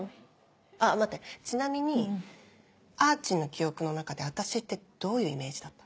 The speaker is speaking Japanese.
あっ待ってちなみにあーちんの記憶の中で私ってどういうイメージだった？